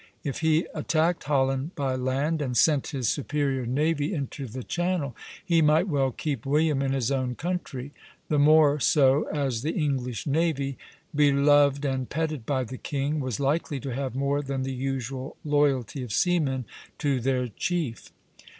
If he attacked Holland by land, and sent his superior navy into the Channel, he might well keep William in his own country; the more so as the English navy, beloved and petted by the king, was likely to have more than the usual loyalty of seamen to their chief.